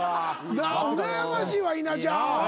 うらやましいわ稲ちゃん。